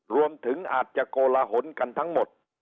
รวมถึงอาจจะโกลหนกันทั้งหมด